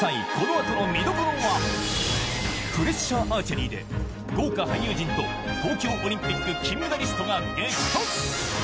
「プレッシャーアーチェリー」で豪快俳優陣と東京オリンピック金メダリストが激突！